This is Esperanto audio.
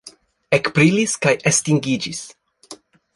Ekbrilis kaj estingiĝis.